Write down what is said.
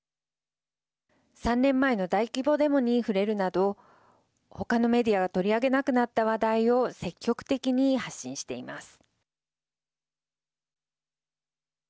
３年前の大規模デモに触れるなどほかのメディアが取り上げなくなった話題を積極的に発信しています。